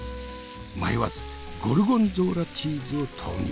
迷わずゴルゴンゾーラチーズを投入。